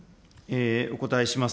お答えします。